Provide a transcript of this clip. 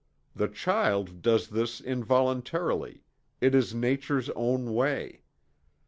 The child does this, involuntarily it is nature's own way.